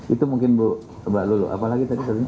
itu mungkin bu mbak luluh apa lagi tadi